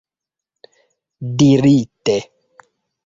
dirite